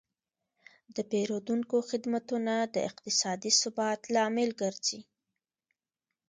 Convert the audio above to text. د پیرودونکو خدمتونه د اقتصادي ثبات لامل ګرځي.